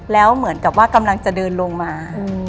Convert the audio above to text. แล้วเหมือนกับว่ากำลังจะเดินลงมา